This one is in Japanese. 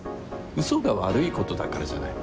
嘘が悪いことだからじゃない。